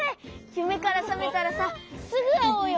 ゆめからさめたらさすぐあおうよ。